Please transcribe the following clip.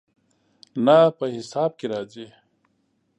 نه، په حساب کې راځي